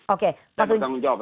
oke mas ujang